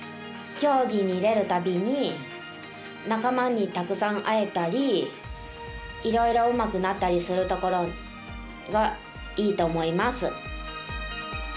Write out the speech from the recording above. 競技に出るたびに仲間にたくさん会えたりいろいろうまくなったりするところがいいと思います。